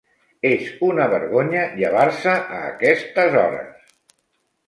És una vergonya llevar-se a aquestes hores!